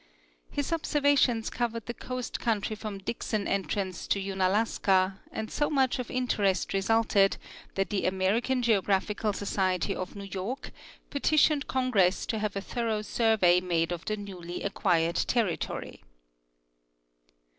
His observations covered the coast country from Dixon entrance to Unalaska, and so much of in terest resulted that the American Geographical Society of New York petitioned Congress to have a thorough survey made of the newly acquired territory.